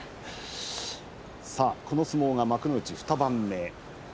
この相撲が幕内２番目。